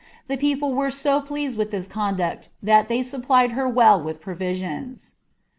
The people wm so pleased with this conduct, that they eupplied her well vith pi* visions.